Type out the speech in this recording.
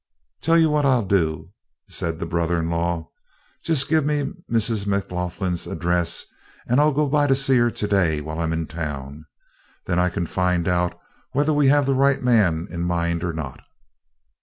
"Tell you what I'll do," said the brother in law; "just give me Mrs. McLaughlin's address, and I'll go to see her to day while I'm in town. Then I can find out whether we have the right man in mind or not."